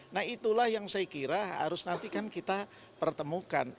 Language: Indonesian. nah itulah yang saya kira harus nanti kan kita pertemukan